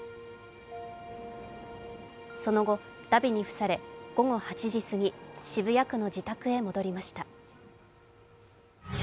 その後、だびに付され午後８時すぎに渋谷区の自宅へ戻りました。